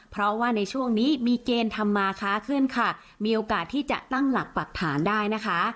เพราะว่าในช่วงนี้มีเกณฑ์ทำมาค้าขึ้นค่ะมีโอกาสที่จะตั้งหลักปรักฐานได้นะคะ